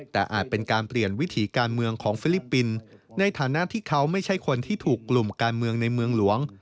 แต่อาจเป็นการเปลี่ยนวิถีการเมืองของฟิลิปปินส์ในฐานะที่เขาไม่ใช่คนที่ถูกกลุ่มการเมืองในเมืองหลวง